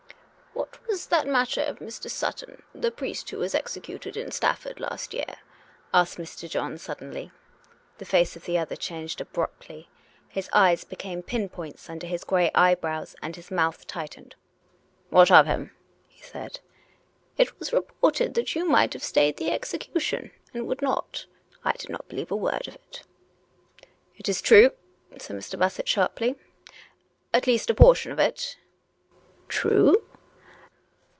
376 COME RACK! COME ROPE! " What was that matter of Mr. Sutton^ the priest who was executed in Stafford last year? " asked Mr. John sud denly. The face of the other changed as abruptly. His eyes became pin points under his grey eyebrows and his mouth tightened, " What of him .''" he said. " It was reported that you might have stayed the execution, and would not. I did not believe a word of it." " It is true," said Mr. Bassett sharply —" at least a por tion of it." "True.?"